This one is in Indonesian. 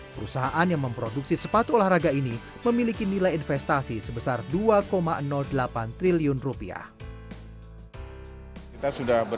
perusahaan yang memproduksi sepatu olahraga ini memiliki nilai investasi sebesar dua delapan triliun rupiah